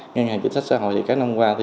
ngân hàng chính sách xã hội các năm qua